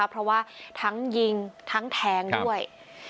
เพราะว่าทั้งยิงทั้งแทงด้วย